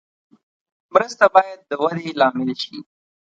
مرسته باید د ودې لامل شي.